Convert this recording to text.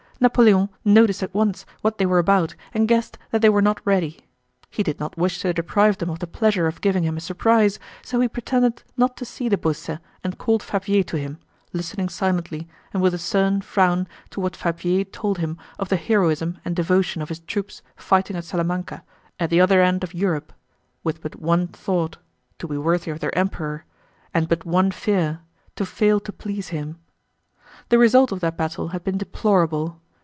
Napoleon noticed at once what they were about and guessed that they were not ready. He did not wish to deprive them of the pleasure of giving him a surprise, so he pretended not to see de Beausset and called Fabvier to him, listening silently and with a stern frown to what Fabvier told him of the heroism and devotion of his troops fighting at Salamanca, at the other end of Europe, with but one thought—to be worthy of their Emperor—and but one fear—to fail to please him. The result of that battle had been deplorable.